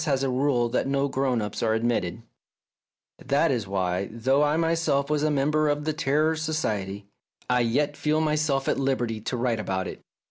has a rule that no grown ups are admitted !" That is why, though I myself was a member of the Terror Society, I yet feel myself at liberty to write about it.